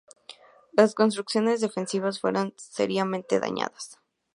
Las construcciones defensivas fueron seriamente dañadas.